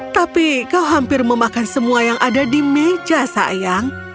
tapi kau hampir memakan semua yang ada di meja sayang